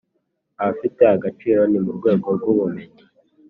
Ahafite agaciro ni mu rwego rw’ ubumenyi